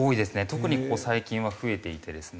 特にここ最近は増えていてですね。